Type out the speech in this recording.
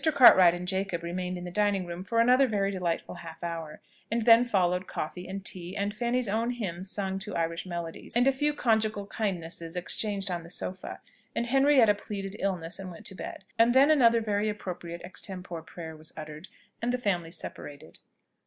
Cartwright and Jacob remained in the dining room for another very delightful half hour; and then followed coffee and tea, and Fanny's own hymns sung to Irish melodies, and a few conjugal kindnesses exchanged on the sofa; and Henrietta pleaded illness and went to bed; and then another very appropriate extempore prayer was uttered, and the family separated.